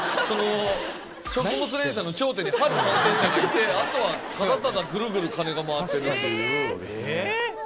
食物連鎖の頂点にＨＡＬ探偵社がいてあとはただただぐるぐる金が回ってるなという。え？